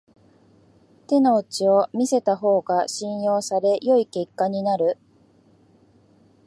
手の内を見せた方が信用され良い結果になる